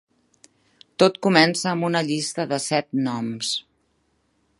Tot comença amb una llista de set noms.